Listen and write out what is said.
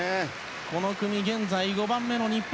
この組現在５番目の日本。